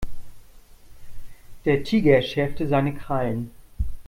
Der Tiger schärfte seine Krallen.